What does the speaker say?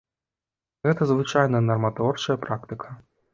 Гэта звычайная нарматворчая практыка.